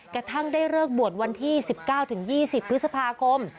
กระทั่งได้เลิกบวชวันที่๑๙๒๐พฤษภาคม